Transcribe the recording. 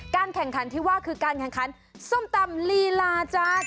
แข่งขันที่ว่าคือการแข่งขันส้มตำลีลาจาก